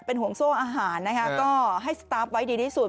ห่วงโซ่อาหารนะคะก็ให้สตาร์ฟไว้ดีที่สุด